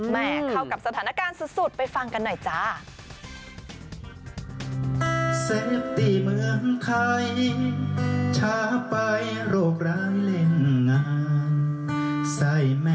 เข้ากับสถานการณ์สุดไปฟังกันหน่อยจ้า